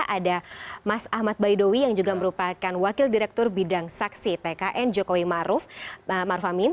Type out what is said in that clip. ada mas ahmad baidowi yang juga merupakan wakil direktur bidang saksi tkn jokowi maruf pak maruf amin